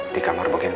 di kamar bagian p satu